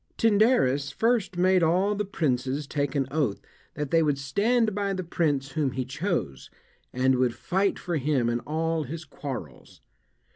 Tyndarus first made all the princes take an oath that they would stand by the prince whom he chose, and would fight for him in all his quarrels.